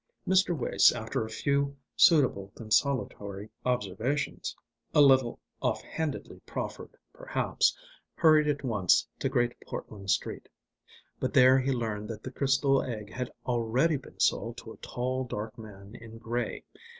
Mr. Wace, after a few suitable consolatory observations, a little off handedly proffered perhaps, hurried at once to Great Portland Street. But there he learned that the crystal egg had already been sold to a tall, dark man in grey.